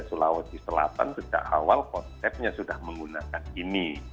sulawesi selatan sejak awal konsepnya sudah menggunakan ini